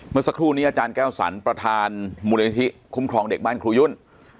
เมื่อสักครู่นี้อาจารย์แก้วสรรประธานมูลนิธิคุ้มครองเด็กบ้านครูยุ่น